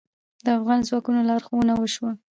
د افغان ځواکونو لارښوونه وشوه.